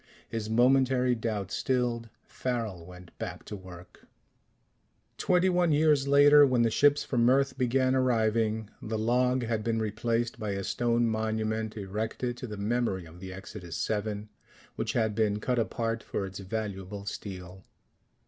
His momentary doubt stilled, Farrel went back to work. Twenty one years later, when the ships from Earth began arriving, the log had been replaced by a stone monument erected to the memory of the Exodus VII, which had been cut apart for its valuable steel.